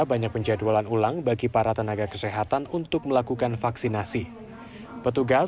banyak penjadwalan ulang bagi para tenaga kesehatan untuk melakukan vaksinasi petugas